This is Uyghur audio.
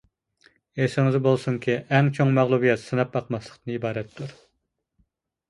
ئېسىڭىزدە بولسۇنكى، ئەڭ چوڭ مەغلۇبىيەت سىناپ باقماسلىقتىن ئىبارەتتۇر.